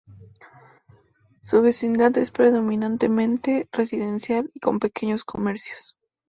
Su vecindad es predominantemente residencial y con pequeños comercios.